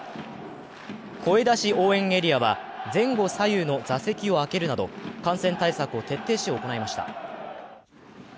声出し応援エリアは前後左右の座席を空けるなど感染対策を徹底し行いました。